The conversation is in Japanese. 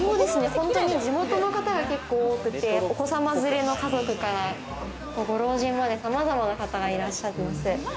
本当に地元の方が多くて、お子様連れの家族から、ご老人まで様々な方がいらっしゃいます。